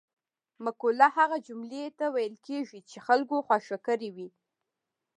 مقوله هغه جملې ته ویل کېږي چې خلکو خوښه کړې وي